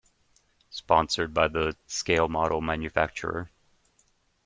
Sponsored by the scale-model manufacturer.